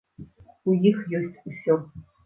У іх ёсць усё.